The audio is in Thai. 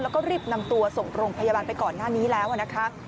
แล้วก็รีบนำตัวส่งโรงพยาบาลไปก่อนหน้านี้แล้วนะคะ